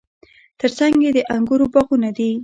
ترڅنګ یې د انګورو باغونه دي.